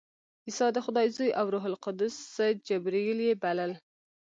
عیسی د خدای زوی او روح القدس جبراییل یې بلل.